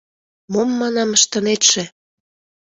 — Мом, манам, ыштынетше?